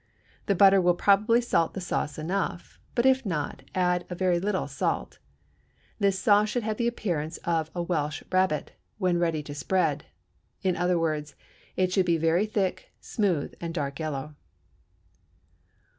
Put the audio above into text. The butter will probably salt the sauce enough, but if not, add a very little salt. This sauce should have the appearance of a Welsh rabbit when ready to spread; in other words, it should be very thick, smooth, and dark yellow.